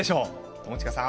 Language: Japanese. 友近さん。